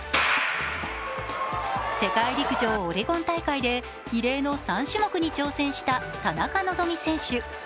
世界陸上オレゴン大会で異例の３種目に挑戦した田中希実選手。